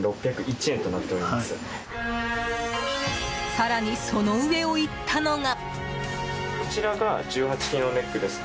更にその上を行ったのが。